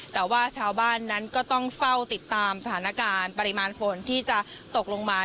แต่ว่าชาวบ้านนั้นก็ต้องเฝ้าติดตามสถานการณ์ปริมาณฝนที่จะตกลงมา